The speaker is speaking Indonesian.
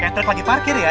kayak trek lagi parkir ya